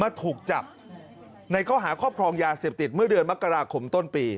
ถูกจับในข้อหาครอบครองยาเสพติดเมื่อเดือนมกราคมต้นปี